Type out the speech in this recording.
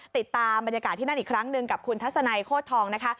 ติดตามบรรยากาศที่นั่นอีกครั้งหนึ่งกับคุณทัศนัยโคตรทองนะคะ